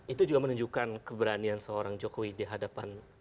itu juga menunjukkan keberanian seorang jokowi di hadapan